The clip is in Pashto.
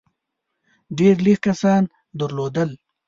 ډېر لږ کسان درلودل.